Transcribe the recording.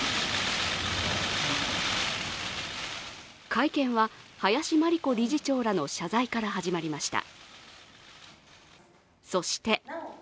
会見は林真理子理事長らの謝罪から始まりました。